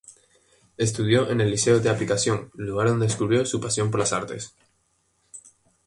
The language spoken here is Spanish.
Estudió en el Liceo de Aplicación, lugar donde descubrió su pasión por las artes.